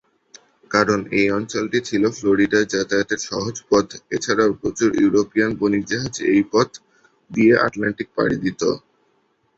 কারণ এই অঞ্চলটি ছিল ফ্লোরিডা যাতায়াতের সহজ পথ, এছাড়াও প্রচুর ইউরোপীয়ান বণিক জাহাজ এই পথ দিয়ে আটলান্টিক পাড়ি দিত।